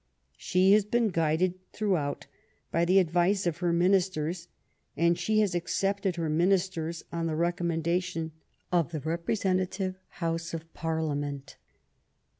She has been guided throughout by the advice of her Ministers, and she has accepted her Ministers on the recommen dation of the representative House of Parliament.